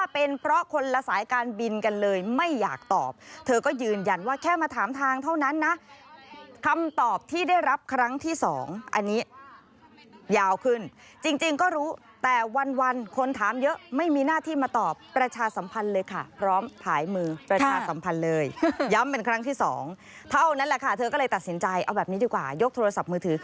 เป็นเพราะคนละสายการบินกันเลยไม่อยากตอบเธอก็ยืนยันว่าแค่มาถามทางเท่านั้นนะคำตอบที่ได้รับครั้งที่สองอันนี้ยาวขึ้นจริงก็รู้แต่วันคนถามเยอะไม่มีหน้าที่มาตอบประชาสัมพันธ์เลยค่ะพร้อมผ่ายมือประชาสัมพันธ์เลยย้ำเป็นครั้งที่สองเท่านั้นแหละค่ะเธอก็เลยตัดสินใจเอาแบบนี้ดีกว่ายกโทรศัพท์มือถือ